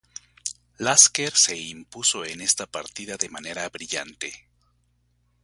Lasker se impuso en esta partida de manera brillante.